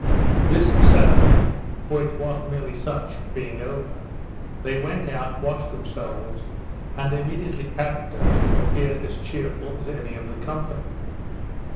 This ceremony (for it was merely such) being over, they went out, washed themselves, and immediately after appeared as cheerful as any of the company.